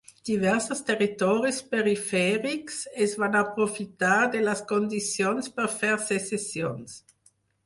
Diversos territoris perifèrics es van aprofitar de les condicions per fer secessions.